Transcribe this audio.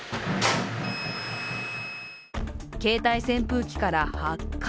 携帯扇風機から発火。